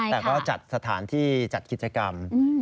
แต่ก็จัดสถานที่จัดกิจกรรม